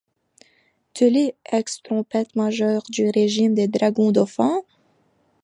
Teller, ex-trompette-major du régiment des dragons Dauphin ?